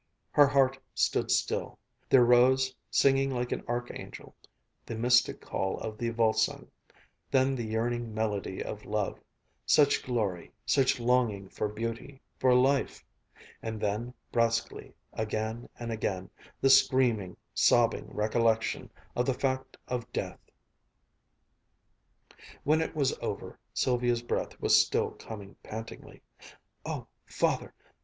Her heart stood still There rose, singing like an archangel, the mystic call of the Volsung, then the yearning melody of love; such glory, such longing for beauty, for life and then brusquely, again and again, the screaming, sobbing recollection of the fact of death.... When it was over, Sylvia's breath was still coming pantingly. "Oh, Father!